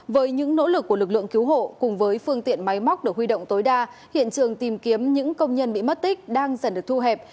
với những nỗ lực của lực lượng cứu hộ cùng với phương tiện máy móc được huy động tối đa hiện trường tìm kiếm những công nhân bị mất tích đang dần được thu hẹp